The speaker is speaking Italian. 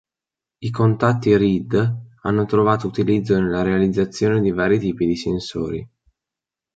I contatti Reed hanno trovato utilizzo nella realizzazione di vari tipi di sensori.